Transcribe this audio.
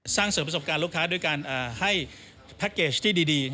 สร้างเสริมประสบการณ์ลูกค้าด้วยการให้แพ็คเกจที่ดี